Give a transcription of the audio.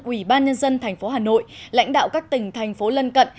ủy ban nhân dân thành phố hà nội lãnh đạo các tỉnh thành phố lân cận